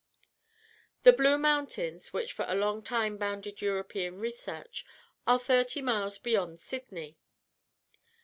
The Blue Mountains, which for a long time bounded European research, are thirty miles beyond Sydney.